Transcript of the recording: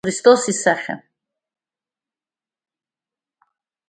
Христос исахьа.